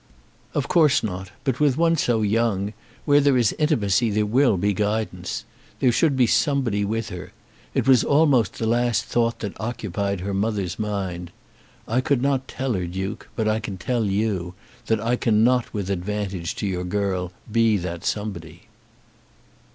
"Of course not. But with one so young, where there is intimacy there will be guidance. There should be somebody with her. It was almost the last thought that occupied her mother's mind. I could not tell her, Duke, but I can tell you, that I cannot with advantage to your girl be that somebody."